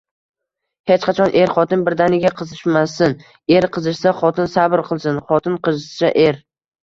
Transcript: Hech qachon er-xotin birdaniga qizishmasin: er qizishsa, xotin sabr qilsin, xotin qizishsa, er.